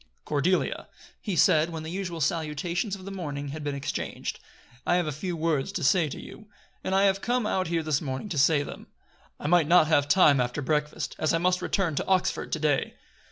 "Cordelia," he said, when the usual salutations of the morning had been exchanged, "I have a few words to say to you; and I have come out here this morning to say them. I might not have time after breakfast, as I must return to Oxford to day."